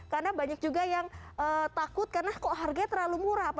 karena banyak juga yang takut karena kok harganya terlalu murah